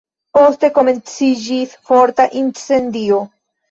Poste komenciĝis forta incendio.